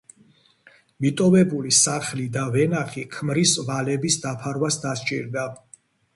მიტოვებული სახლი და ვენახი ქმრის ვალების დაფარვას დასჭირდა.